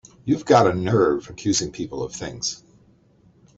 You've got a nerve accusing people of things!